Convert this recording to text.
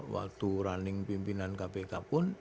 waktu running pimpinan kpk pun